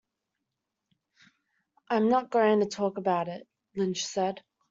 "I am not going to talk about it," Lynch said.